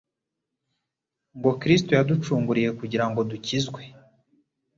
ngo: " Kristo yaducunguriye kugira ngo dukizwe